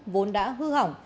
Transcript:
vốn đã hư hỏng